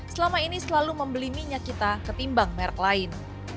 selama ini selalu membeli minyak kita ketimbang merek lain